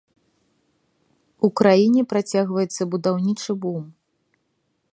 У краіне працягваецца будаўнічы бум.